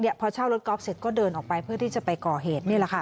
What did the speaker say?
พอเช่ารถกอล์ฟเสร็จก็เดินออกไปเพื่อที่จะไปก่อเหตุนี่แหละค่ะ